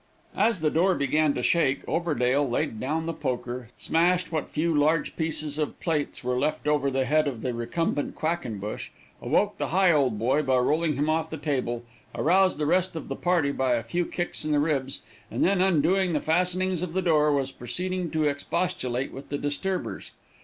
As the door began to shake, Overdale laid down the poker, smashed what few large pieces of plates were left over the head of the recumbent Quackenbush, awoke the Higholdboy by rolling him off the table, aroused the rest of the party by a few kicks in the ribs, and then, undoing the fastenings of the door, was proceeding to expostulate with the disturbers.